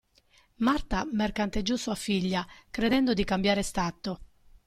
Marta mercanteggiò sua figlia, credendo di cambiare stato.